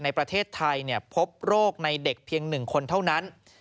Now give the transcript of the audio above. ในประเทศไทยพบโรคในเด็กเพียง๑คนเท่านั้น